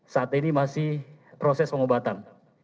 saat ini masih proses pengobatan